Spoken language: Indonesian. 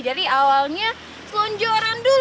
jadi awalnya selunjuran dulu